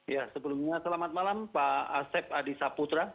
ya sebelumnya selamat malam pak asep adi saputra